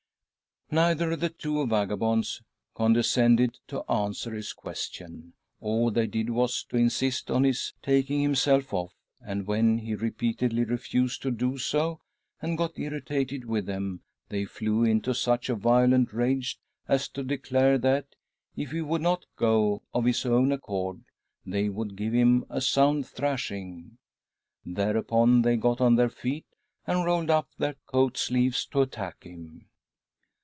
Neither of the two vagabonds condescended to answer" his question ; all they did was to insist on • his taking himself off, and, when he repeatedly refused to do so and got irritated with them, they ' flew into such a violent rage as to declare that, if he would not go of his own accord, they would give him a sound thrashing. Thereupon they got on Bw <•'.—___••■.■■«£.:•; 34 THY SOUL SHALL BEAR WITNESS !.... their feet and rolled up their coat sleeves .to attack him.